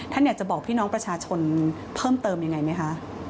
อยากจะบอกพี่น้องประชาชนเพิ่มเติมยังไงไหมคะ